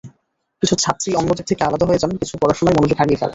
কিছু ছাত্রী অন্যদের থেকে আলাদা হয়ে যান, কিছু পড়াশোনায় মনোযোগ হারিয়ে ফেলেন।